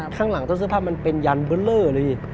ข้างหลังต้นเสื้อผ้ามันเป็นยันเบอร์เลอร์เลย